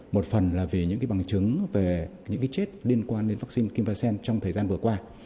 một phần là vì những bằng chứng về những chết liên quan đến vaccine kimvaxen trong thời gian vừa qua